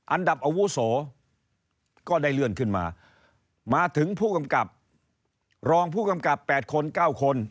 อันดับอาวุโสก็ได้เลื่อนขึ้นมามาถึงผู้กำกับรองผู้กำกับ๘คน๙คน